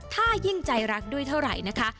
ถ้ายิ่งใจรักด้วยเท่าไหร่นะคะ